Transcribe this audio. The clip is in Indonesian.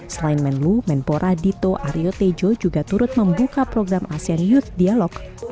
selain menlu menpora dito aryo tejo juga turut membuka program asean youth dialog